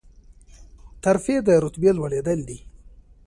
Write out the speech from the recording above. ترفیع د رتبې لوړیدل دي